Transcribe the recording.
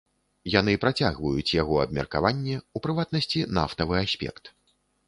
Яны працягваюць яго абмеркаванне, у прыватнасці нафтавы аспект.